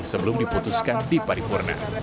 sebelum diputuskan di paripurna